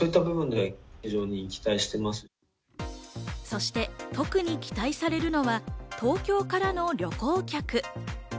そして、特に期待されるのが東京からの旅行客。